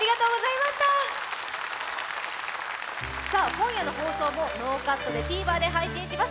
今夜の放送もノーカットでＴＶｅｒで配信します。